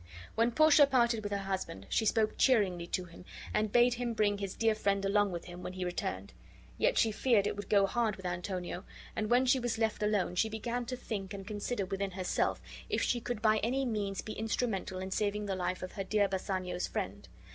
When Portia parted with her husband she spoke cheeringly to him and bade him bring his dear friend along with him when he returned; yet she feared it would go hard with Antonio, and when she was left alone she began to think and consider within herself if she could by any means be instrumental in saving the life of her dear Bassanio's friend.